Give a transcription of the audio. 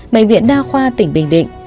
bệnh viện đa khoa tỉnh bình định